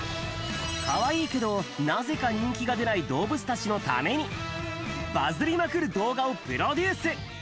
かわいいけどなぜか人気が出ない動物たちのためにバズりまくる動画をプロデュース！